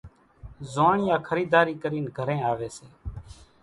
زوئاڻيا خريداري ڪرين گھرين آوي سي